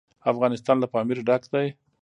افغانستان له پامیر ډک دی.